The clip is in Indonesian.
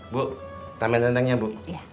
bu tambahin rendangnya bu